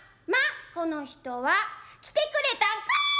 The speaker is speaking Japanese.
『まあこの人は来てくれたんか』」。